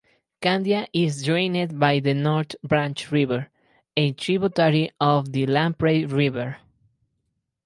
Candia is drained by the North Branch River, a tributary of the Lamprey River.